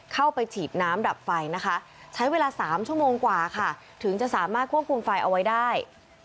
เข้าไปฉีดน้ำดับไฟนะคะใช้เวลา๓ชั่วโมงกว่าค่ะถึงจะสามารถควบคุมไฟเอาไว้ได้